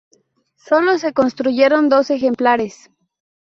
Solo se construyeron dos ejemplares.